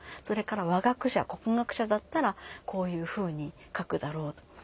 それから「和学者国学者だったらこういうふうに書くだろう」と。